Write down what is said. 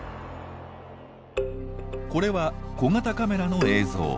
これは小型カメラの映像。